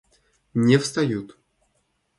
Не встают.